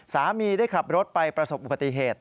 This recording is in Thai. สามีได้ขับรถไปประสบอุปติเหตุ